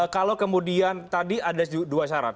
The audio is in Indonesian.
kalau kemudian tadi ada dua syarat